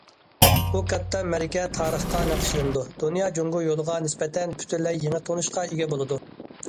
بۇ كاتتا مەرىكە تارىخقا نەقىشلىنىدۇ، دۇنيا جۇڭگو يولىغا نىسبەتەن پۈتۈنلەي يېڭى تونۇشقا ئىگە بولىدۇ.